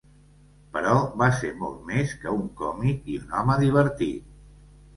Però va ser molt més que un còmic i un home divertit.